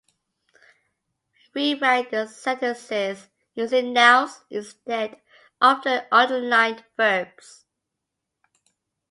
Rewrite the sentences using nouns instead of the underlined verbs.